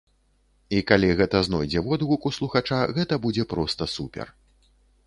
І калі гэта знойдзе водгук у слухача, гэта будзе проста супер.